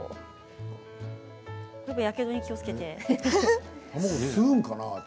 やけどに気をつけて。